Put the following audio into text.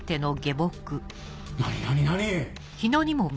何何何⁉